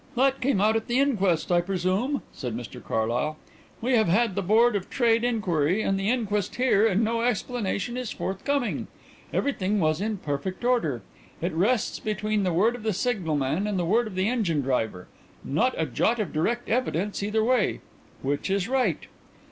"That came out at the inquest, I presume?" said Mr Carlyle. "We have had the Board of Trade inquiry and the inquest here and no explanation is forthcoming. Everything was in perfect order. It rests between the word of the signalman and the word of the engine driver not a jot of direct evidence either way. Which is right?"